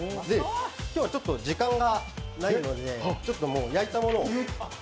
今日はちょっと時間がないので、焼いたものを。